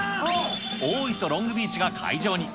大磯ロングビーチが会場に。